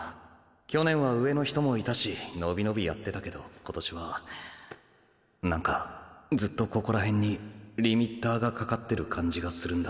去年は上の人もいたしのびのびやってたけど今年はなんかずっとここらへんに制限がかかってる感じがするんだ。